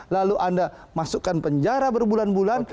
lalu anda masukkan penjara berbulan bulan